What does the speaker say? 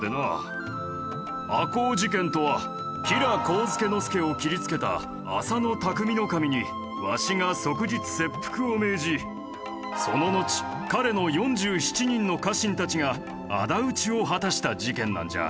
赤穂事件とは吉良上野介を斬りつけた浅野内匠頭にわしが即日切腹を命じそののち彼の４７人の家臣たちが仇討ちを果たした事件なんじゃ。